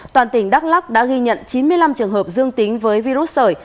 toàn tỉnh đắk lắc đã ghi nhận chín mươi năm trường hợp dương tính với virus sởi